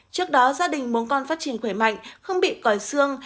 trước đó gia đình muốn con phát triển khỏe mạnh không bị còi xương